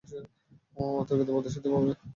অতর্কিত, অপ্রত্যাশিতভাবে।